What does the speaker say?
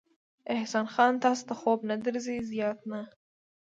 احسان خان، تاسې ته خوب نه درځي؟ زیات نه.